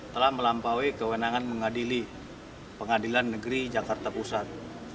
telah melampaui kewenangan mengadili pengadilan negeri jakarta pusat